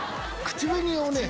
口紅をね。